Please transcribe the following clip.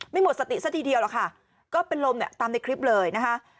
หมดสติซะทีเดียวหรอกค่ะก็เป็นลมเนี่ยตามในคลิปเลยนะคะ